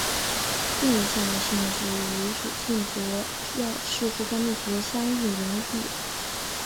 定义项的性质与属性则要视乎该命题的相应原意。